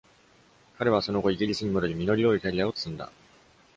彼はその後、イギリスに戻り、実り多いキャリアを積んだ。